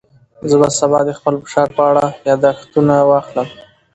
زه به سبا د خپل فشار په اړه یاداښتونه واخلم.